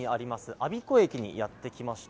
我孫子駅にやってきました。